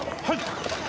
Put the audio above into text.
はい。